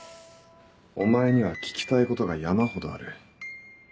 お前には聞きたいことが山ほどある。